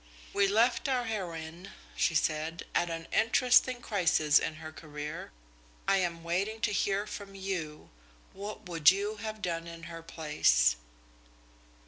"We left our heroine," she said, "at an interesting crisis in her career. I am waiting to hear from you what would you have done in her place?"